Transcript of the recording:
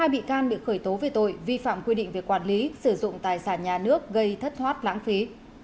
hai bị can bị khởi tố về tội vi phạm quy định về quản lý sử dụng tài sản nhà nước gây thất thoát lãng phí